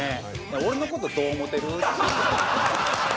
オレのことどう思ってる？って。